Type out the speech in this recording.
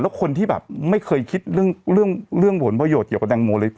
แล้วคนที่แบบไม่เคยคิดเรื่องผลประโยชน์เกี่ยวกับแตงโมเลย